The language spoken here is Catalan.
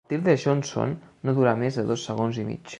El tir de Johnson no dura més de dos segons i mig.